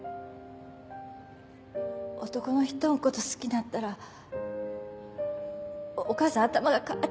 男の人んこと好きなったらお母さん頭がかぁ！